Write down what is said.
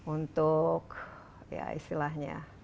untuk ya istilahnya